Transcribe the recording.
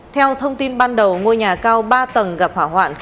theo thông tin ban đầu ngôi nhà cao ba tầng gặp hỏa hoạn